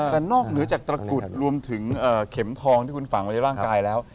แต่นอกเหนือจากตระกุดรวมถึงเข็มทองที่คุณฝังไว้ในร่างกายแล้ว